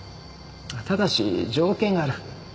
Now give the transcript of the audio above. ただし条件がある